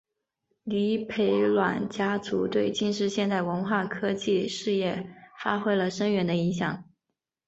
黎培銮家族对近现代文化科技事业发挥了深远的影响。